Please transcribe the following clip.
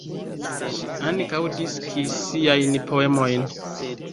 Ŝi ankaŭ diskis siajn poemojn.